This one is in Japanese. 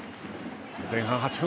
前半８分。